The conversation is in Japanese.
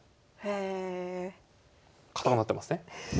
堅くなってますね。